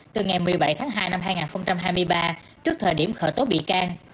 từ ngày một mươi bảy tháng hai năm hai nghìn hai mươi ba trước thời điểm khởi tố bị can